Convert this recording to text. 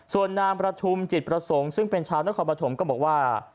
ส่วนนางประทุมจิตประสงค์ซึ่งเป็นชาวนครปฐมก็บอกว่า